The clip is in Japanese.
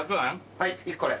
はい１個で。